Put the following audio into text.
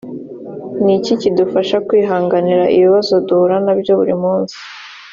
ni iki kidufasha kwihanganira ibibazo duhura na byo buri munsi